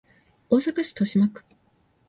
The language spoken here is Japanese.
大阪市都島区